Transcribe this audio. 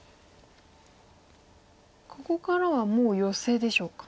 ここからはもうヨセでしょうか。